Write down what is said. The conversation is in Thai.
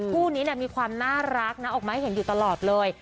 คู่นี้มีความน่ารักนะออกมาให้เห็นอยู่ตลอดเลย